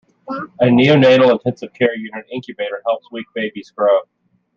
A Neonatal Intensive Care Unit Incubator helps weak babies grow.